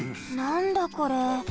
なんだこれ？